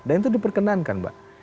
dan itu diperkenankan mbak